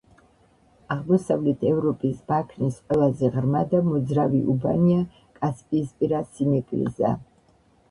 აღმოსავლეთ ევროპის ბაქნის ყველაზე ღრმა და მოძრავი უბანია კასპიისპირა სინეკლიზა.